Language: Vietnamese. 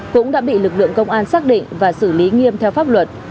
cũng đã bị lực lượng công an xác định và xử lý nghiêm theo pháp luật